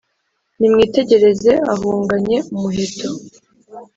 Nimwitegereze ahunganye umuheto